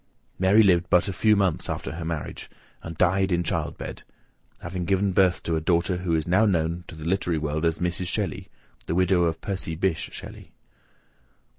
Mary lived but a few months after her marriage, and died in child bed; having given birth to a daughter who is now known to the literary world as Mrs. Shelly, the widow of Percy Bysche Shelly.